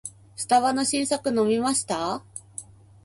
スタバの新作飲みました？